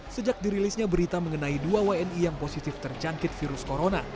sejak dirilisnya berita mengenai dua wni yang positif terjangkit virus corona